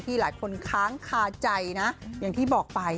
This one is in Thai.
หลายคนค้างคาใจนะอย่างที่บอกไป